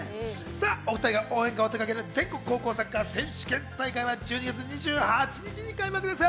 お２人が応援歌を手がける全国高校サッカー選手権大会は１２月２８日開幕です。